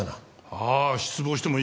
ああ失望してもいい。